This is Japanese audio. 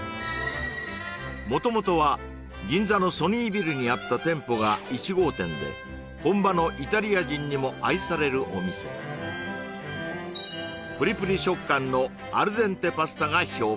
元々は銀座のソニービルにあった店舗が１号店で本場のイタリア人にも愛されるお店プリプリ食感のアルデンテパスタが評判